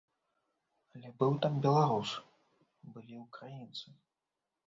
Але быў там беларус, былі ўкраінцы.